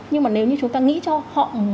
nhưng mà nếu như chúng ta nghĩ cho họ